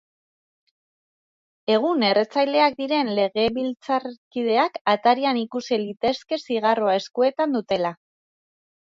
Egun erretzaileak diren legebiltzarkideak atarian ikusi litezke zigarroa eskuetan dutela.